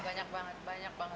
wah banyak banget